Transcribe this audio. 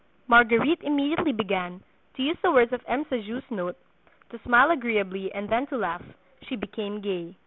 Marguerite immediately began, to use the words of M. Sajous's note, to smile agreeably and then to laugh; she became gay.